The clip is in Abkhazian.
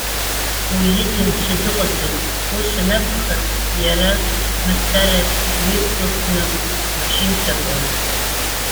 Уи ида нцәа дыҟаӡам. Ус анакәха, иара мацара уиқәгәыӷны уҽимҵакла.